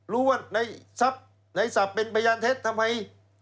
รู้ว่าในทรัพย์ในศัพท์เป็นพยานเท็จทำไม